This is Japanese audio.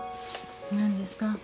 何ですか？